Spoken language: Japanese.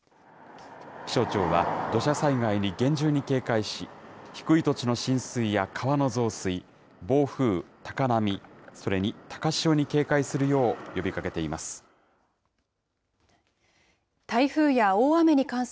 気象庁は、土砂災害に厳重に警戒し、低い土地の浸水や川の増水、暴風、高波、それに高潮に警戒するよう呼びかけています。